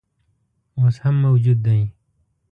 اوس هم موجود دی.